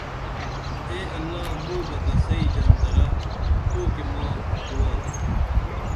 اے اللہ موں بہ کڅئی ژنترہ تو کی ماں دعا درو